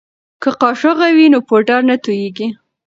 که قاشغه وي نو پوډر نه توییږي.